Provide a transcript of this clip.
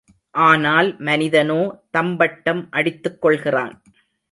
ஆனால் மனிதனோ தம்பட்டம் அடித்துக்கொள்கிறான்.